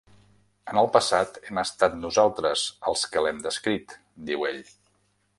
"En el passat, hem estat nosaltres els que l'hem descrit", diu ell.